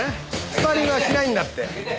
スパーリングはしないんだって。